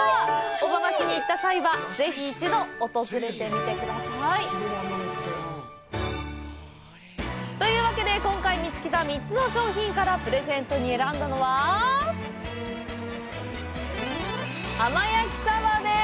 小浜市に行った際は、ぜひ一度、訪れてみてください。というわけで、今回見つけた３つの商品からプレゼントに選んだのは浜焼き鯖です！